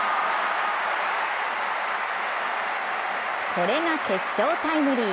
これが決勝タイムリー！